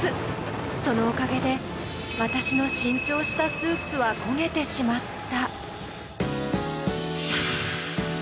そのおかげで私の新調したスーツは焦げてしまった。